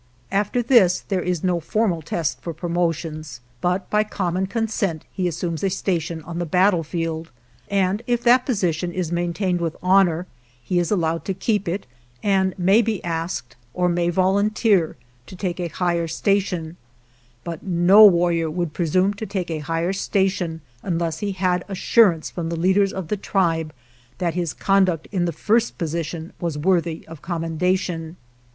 After this there is no formal test for promotions, but by common con sent he assumes a station on the battlefield, and if that position is maintained with honor, he is allowed to keep it, and may be asked, or may volunteer, to take a higher station, but no warrior would presume to take a higher station unless he had assurance from the leaders of the tribe that his con 189 GERONIMO duct in the first position was worthy of com mendation.